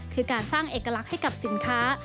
คือการสร้างเอกลักษณ์ให้กับสินค้า